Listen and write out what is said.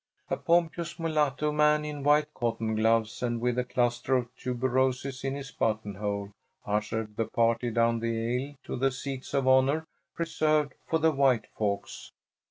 A pompous mulatto man in white cotton gloves and with a cluster of tuberoses in his buttonhole ushered the party down the aisle to the seats of honor reserved for the white folks.